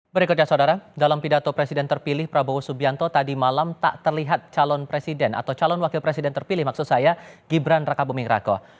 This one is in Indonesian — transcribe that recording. berikutnya saudara dalam pidato presiden terpilih prabowo subianto tadi malam tak terlihat calon presiden atau calon wakil presiden terpilih maksud saya gibran raka buming rako